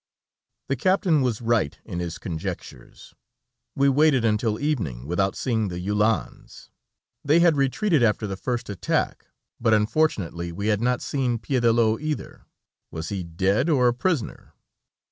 The captain was right in his conjectures. We waited until evening, without seeing the uhlans: they had retreated after the first attack, but unfortunately we had not seen Piédelot either. Was he dead or a prisoner?